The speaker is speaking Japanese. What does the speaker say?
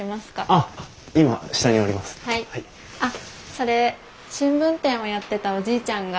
あっそれ新聞店をやってたおじいちゃんが